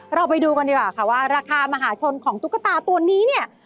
เราไปดูกันดีกว่าค่ะว่าราคามหาชนของตุ๊กตาตัวนี้เนี่ย